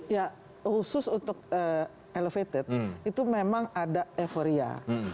ya khusus untuk elevated itu memang ada euforia